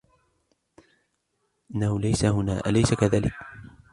إنه ليس هنا ، أليس كذلك ؟